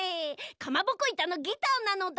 かまぼこいたのギターなのだ。